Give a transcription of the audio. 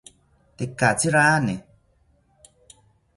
Tekatzi rane